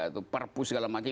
itu perpu segala macam